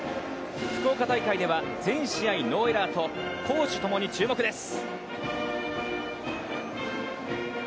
福岡大会では全試合ノーエラーと攻守ともに注目です。